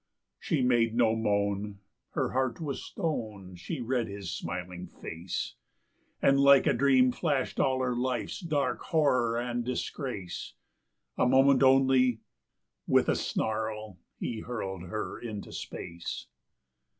She made no moan her heart was stone she read his smiling face, And like a dream flashed all her life's dark horror and disgrace; A moment only with a snarl he hurled her into space.